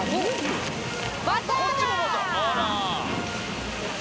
バターだ！